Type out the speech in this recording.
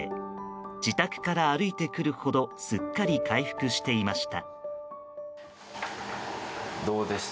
自宅から歩いてくるほどすっかり回復していました。